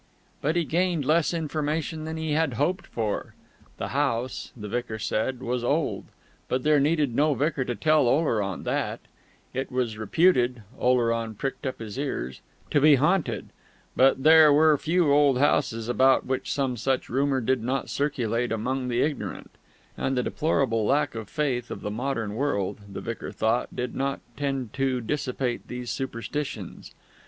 But he gained less information than he had hoped for. The house, the vicar said, was old but there needed no vicar to tell Oleron that; it was reputed (Oleron pricked up his ears) to be haunted but there were few old houses about which some such rumour did not circulate among the ignorant; and the deplorable lack of Faith of the modern world, the vicar thought, did not tend to dissipate these superstitions.